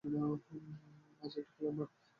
আছে একটি খেলার মাঠ।